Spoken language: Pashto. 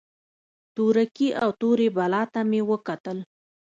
تورکي او تورې بلا ته مې وکتل.